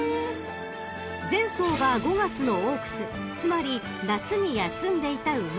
［前走が５月のオークスつまり夏に休んでいた馬］